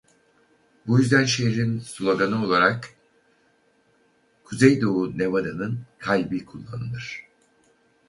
Bu yüzden şehrin sloganı olarak "Kuzeydoğu Nevada'nın Kalbi" kullanılır.